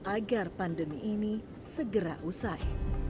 agar pandemi ini segera usai